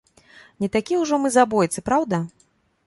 Не такія ўжо мы забойцы, праўда?